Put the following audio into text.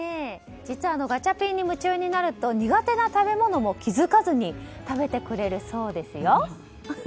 実はガチャピンに夢中になると苦手な食べ物も気づかずに食べてくれるそうですよ。